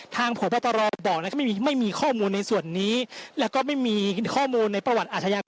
ทางผ่วว์